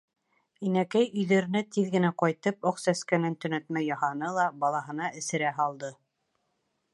Инәкәй, өйҙәренә тиҙ генә ҡайтып, аҡ сәскәнән төнәтмә яһаны ла балаһына эсерә һалды.